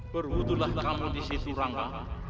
berwujudlah kamu di situ rangga